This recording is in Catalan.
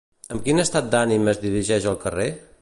Amb quin estat d'ànim es dirigeix al carrer?